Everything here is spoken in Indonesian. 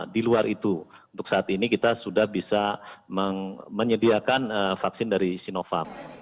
di luar itu untuk saat ini kita sudah bisa menyediakan vaksin dari sinovac